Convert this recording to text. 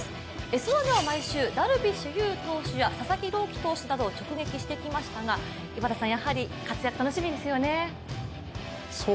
「Ｓ☆１」では毎週ダルビッシュ有投手や佐々木朗希投手などを直撃してきましたが、やはり活躍楽しみですよね。